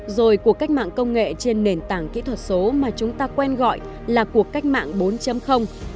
rồi cuộc cách mạng công nghệ trên nền tảng kỹ thuật số mà chúng ta quen gọi là cuộc cách mạng bốn